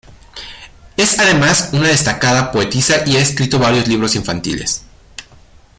Es además una destacada poetisa y ha escrito varios libros infantiles.